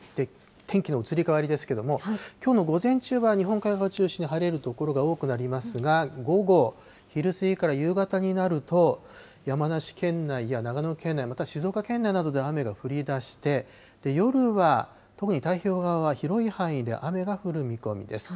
天気の移り変わりですけれども、きょうの午前中は日本海側を中心に晴れる所が多くなりますが、午後、昼過ぎから夕方になると、山梨県内や長野県内、また静岡県内などで雨が降りだして、夜は特に太平洋側は広い範囲で雨が降る見込みです。